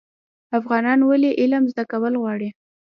افغانان ولې علم زده کول غواړي؟